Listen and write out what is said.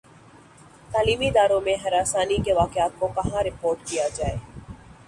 تعلیمی اداروں میں ہراسانی کے واقعات کو کہاں رپورٹ کیا جائے